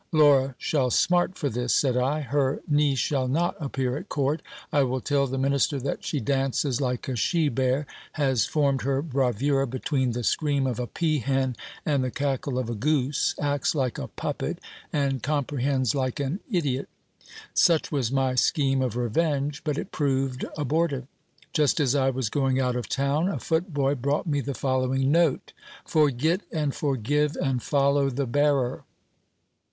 Laura shall smart for this ! said I ; her niece shall not appear at court ; I will tell the minister that she dances like a she bear, has formed her bravura between the scream of a pea hen and the cackle of a goose, acts like a puppet, and comprehends like an idiot. Such was my scheme of revenge, but it proved abortive. Just as I was going out of town, a footboy brought me the following note : "Forget and forgive, and follow the bearer."